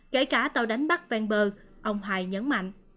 kể cả tàu đánh bắt ven bờ ông hài nhấn mạnh